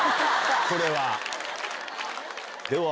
これは。